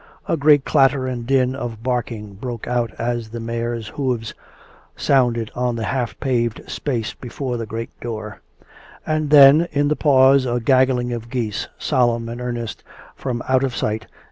A great clatter and din of barking broke out as the mare's hoofs sounded on the half paved space before the great door; and then, in the pause, a gaggling of geese, solemn and earnest, from out of sight.